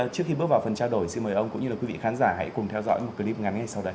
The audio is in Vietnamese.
trước khi bước vào phần trao đổi xin mời ông cũng như quý vị khán giả hãy cùng theo dõi một clip ngắn ngay sau đây